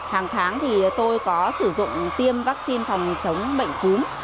hàng tháng thì tôi có sử dụng tiêm vaccine phòng chống bệnh cúm